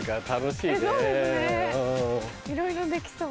いろいろできそう。